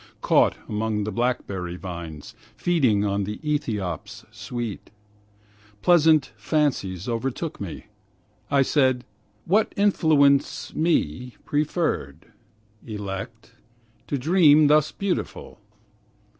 Caught among the blackberry vines, Feeding on the Ethiops sweet, Pleasant fancies overtook me. I said, 'What influence me preferred, Elect, to dreams thus beautiful?'